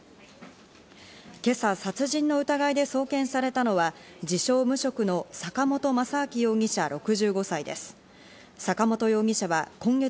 今朝殺人の疑いで送検されたのは自称無職の坂本雅章容疑者６５歳です。